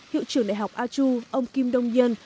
hiệu trưởng đại học aju ông kim đông nhân